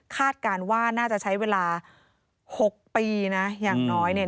การว่าน่าจะใช้เวลาหกปีนะอย่างน้อยเนี่ย